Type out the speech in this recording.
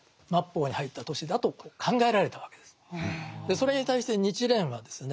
それに対して日蓮はですね